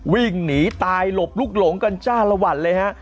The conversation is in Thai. วิ่งหนีตายหลบลุกหลงกันจ้าละวันเลยฮะ